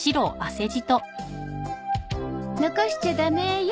残しちゃダメよ。